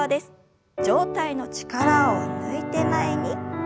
上体の力を抜いて前に。